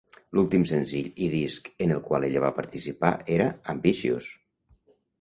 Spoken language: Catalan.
L'últim senzill i disc en el qual ella va participar era "Ambitious!